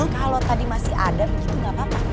kalau tadi masih ada begitu nggak apa apa